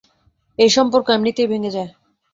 এ সম্পর্ক এমনিতেই ভেঙ্গে যায়।